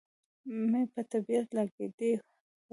مې په طبیعت لګېده، هو.